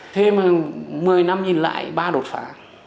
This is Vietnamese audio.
thế mà một mươi năm nhìn lại ba đột phá